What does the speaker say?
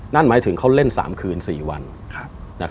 นั่นหมายถึงเขาเล่น๓คืน๔วัน